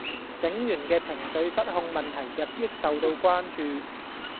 警員既情緒失控問題日益受到關注